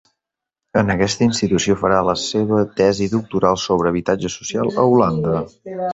En aquesta institució farà la seva tesi doctoral sobre habitatge social a Holanda.